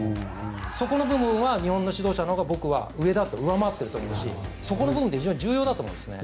そこの部分は日本の指導者のほうが僕は上回っていると思うしそこの部分で重要だと思います。